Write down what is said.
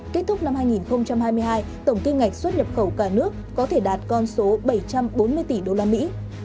kết thúc năm hai nghìn hai mươi hai tổng kim ngạch xuất nhập khẩu cả nước có thể đạt con số bảy trăm bốn mươi tỷ đô la mỹ